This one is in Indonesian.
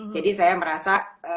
jadi saya merasa